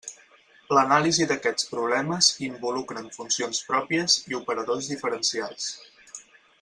L'anàlisi d'aquests problemes involucren funcions pròpies i operadors diferencials.